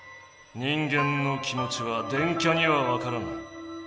人間の気もちは電キャにはわからない。